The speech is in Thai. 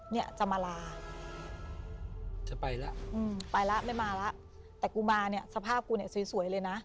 เนี่ยจะมาลาจะไปแล้วไปแล้วไม่มาแล้วแต่กูมาเนี่ยสภาพกูเนี่ยสวยเลยนะ